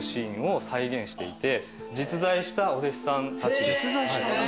実在したお弟子さんたちです。